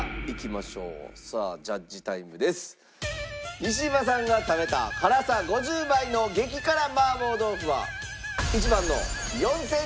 西島さんが食べた辛さ５０倍の激辛麻婆豆腐は１番の４０００